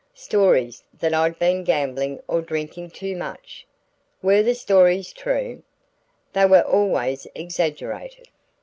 "Stories that I'd been gambling or drinking too much." "Were the stories true?" "They were always exaggerated."